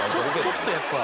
ちょっとやっぱ。